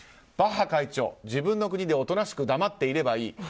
バッハ会長、自分の国でおとなしく黙っていればいい。